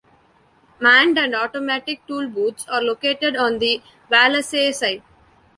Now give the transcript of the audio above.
Manned and automatic tollbooths are located on the Wallasey side.